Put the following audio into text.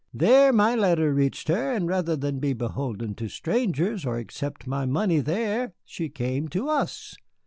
There my letter reached her, and rather than be beholden to strangers or accept my money there, she came to us.